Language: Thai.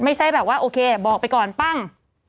ไม่ใช่แบบว่าโอเคบอกไปก่อนปั้ง